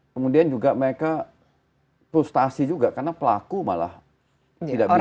kemudian juga mereka frustasi juga karena pelaku malah tidak bisa